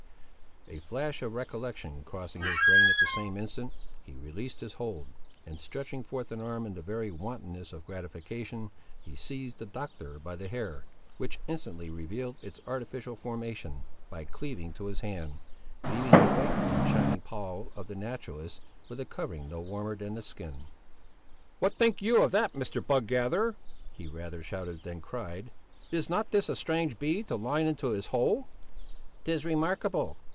A flash of recollection crossing his brain at the same instant, he released his hold, and stretching forth an arm in the very wantonness of gratification, he seized the Doctor by the hair, which instantly revealed its artificial formation, by cleaving to his hand, leaving the white and shining poll of the naturalist with a covering no warmer than the skin. "What think you of that, Mr. Bug gatherer?" he rather shouted than cried: "is not this a strange bee to line into his hole?" "'Tis remarkable!